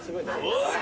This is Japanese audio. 「おい！」